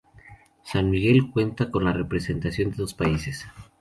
San Miguel cuenta con la representación de dos países.